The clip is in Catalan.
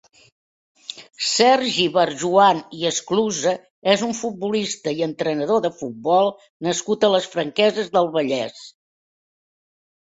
Sergi Barjuan i Esclusa és un futbolista i entrenador de futbol nascut a les Franqueses del Vallès.